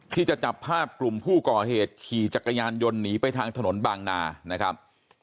ที่จะจับภาพกลุ่มผู้ก่อเหตุขี่จักรยานยนต์หนีไปทางถนนบางนานะครับ